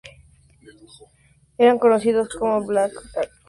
Eran conocidos como Blackjack Windham y Blackjack Bradshaw, luchando como "faces".